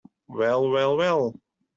Well, well, well!